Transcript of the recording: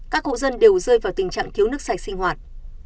các hộ dân đều rơi vào tình trạng thiếu nước sạch sinh hoạt